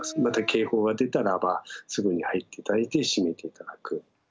また警報が出たらばすぐに入って頂いて閉めて頂く。